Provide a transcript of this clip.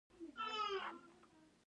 برښنا باید څنګه تولید شي؟